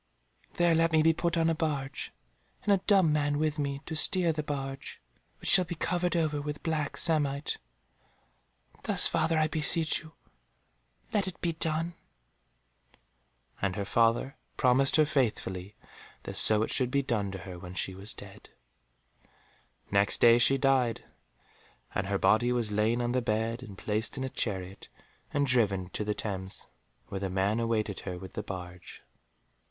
There let me be put on a barge, and a dumb man with me, to steer the barge, which shall be covered over with black samite. Thus, father, I beseech you, let it be done." And her father promised her faithfully that so it should be done to her when she was dead. [Illustration: THE BLACK BARGET] Next day she died, and her body was lain on the bed, and placed in a chariot, and driven to the Thames, where the man awaited her with the barge.